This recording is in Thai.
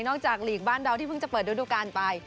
จากหลีกบ้านเราที่เพิ่งจะเปิดฤดูการไป